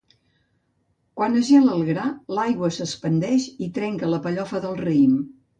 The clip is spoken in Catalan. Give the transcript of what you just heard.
Quan es gela el gra, l'aigua s'expandeix i trenca la pellofa del raïm.